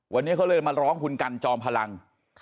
วันนี้เขาเลยมาร้องคุณกันจอมพลัง